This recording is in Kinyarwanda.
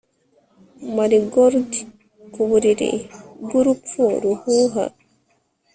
Marigolds ku buriri bwurupfu ruhuha